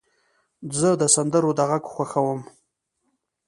زه د سندرو د غږ خوښوم.